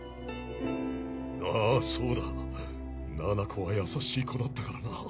ああそうだななこは優しい子だったからな。